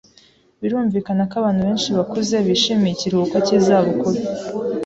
Birumvikana ko abantu benshi bakuze bishimiye ikiruhuko cy'izabukuru.